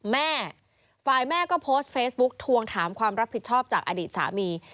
แม่ฝ่ายแม่ก็โพสต์เฟซบุ๊กทวงถามความรับผิดชอบจากอดีตสามี